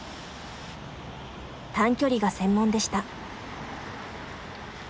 短距離が専門でした。